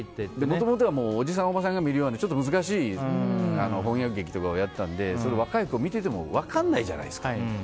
もともとはおじさん、おばさんが見るようなちょっと難しい翻訳劇とかをやってたので若い子見てても分からないじゃないですか。